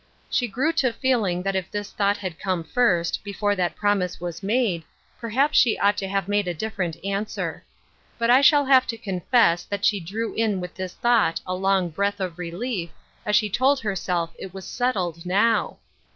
She grew to feeling that if this thought had come first, before that prom ise was made, perhaps she ought to have made a different answer. But I shall have to confess that she drew in with this thought a long breath of relief as she told herself it was settled now.